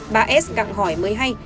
bà s gặng hỏi mới hay